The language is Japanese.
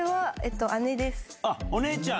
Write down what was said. あっお姉ちゃん！